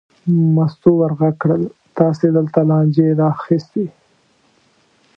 مستو ور غږ کړل: تاسې دلته لانجې را اخیستې.